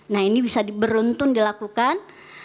nah ini bisa beruntun dilakukan